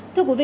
thưa quý vị